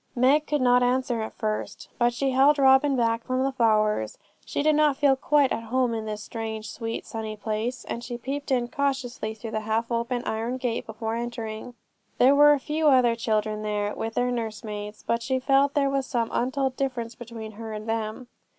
Meg could not answer at first, but she held Robin back from the flowers. She did not feel quite at home in this strange, sweet, sunny place; and she peeped in cautiously through the half open iron gate before entering. There were a few other children there, with their nursemaids, but she felt there was some untold difference between her and them.